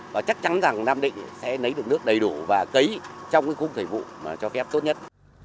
và chắc chắn rằng nam định sẽ lấy được nước đầy đủ và cấy trong cái khung thời vụ cho phép tốt nhất